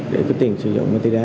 để có tiền sử dụng ma tùy đá